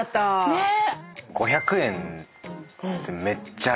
ねっ。